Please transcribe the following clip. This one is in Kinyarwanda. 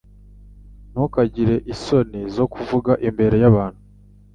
Ntukagire isoni zo kuvuga imbere yabantu.